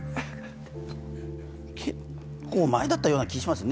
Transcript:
結構、前だったような気がしますね。